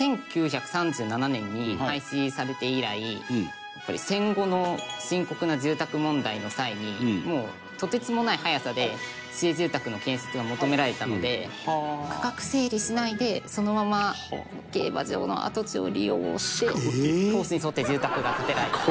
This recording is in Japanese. １９３７年に廃止されて以来戦後の深刻な住宅問題の際にもうとてつもない早さで市営住宅の建設が求められたので区画整理しないでそのまま競馬場の跡地を利用してコースに沿って住宅が建てられた。